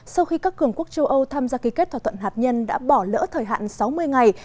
sau khi các cường quốc châu âu tham gia ký kết thỏa thuận hạt nhân đã bỏ lỡ thời hạn sáu mươi ngày